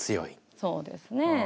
そうですね。